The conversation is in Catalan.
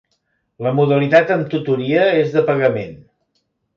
La modalitat amb tutoria és de pagament.